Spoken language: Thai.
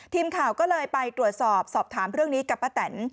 ทีมข่าวก็เลยไปตรวจสอบสอบถามเรื่องนี้กับป้าแตน